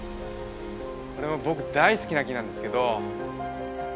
これも僕大好きな木なんですけど。